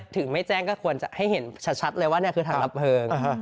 ถึงไม่แจ้งก็ควรจะให้เห็นชัดเลยว่านี่คือทางดับเพลิง